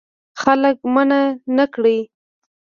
خلک منع نه کړې.